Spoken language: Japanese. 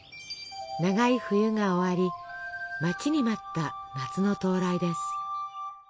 長い冬が終わり待ちに待った夏の到来です。